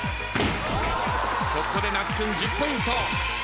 ここで那須君１０ポイント。